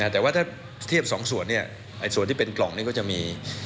แต่ว่าถ้าเทียบสองส่วนส่วนที่เป็นกล่องนี้ก็จะมี